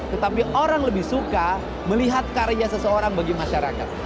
tetapi orang lebih suka melihat karya seseorang bagi masyarakat